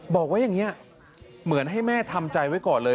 บอกว่าอย่างนี้เหมือนให้แม่ทำใจไว้ก่อนเลย